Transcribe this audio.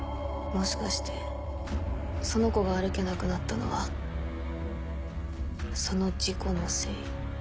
もしかしてその子が歩けなくなったのはその事故のせい？